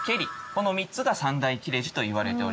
この３つが三大切れ字といわれております。